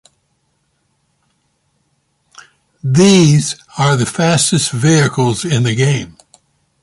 These are the fastest vehicles in the game.